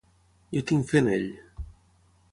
Jo tinc fe en ell.